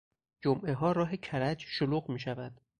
جمعهها راه کرج شلوغ میشود.